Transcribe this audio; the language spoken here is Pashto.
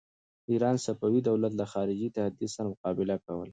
د ایران صفوي دولت له خارجي تهدید سره مقابله کوله.